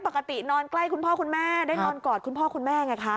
ปกตินอนใกล้คุณพ่อคุณแม่ได้นอนกอดคุณพ่อคุณแม่ไงคะ